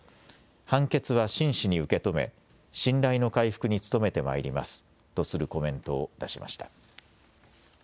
判決は真摯に受け止め信頼の回復に努めてまいりますとするコメントを出しました。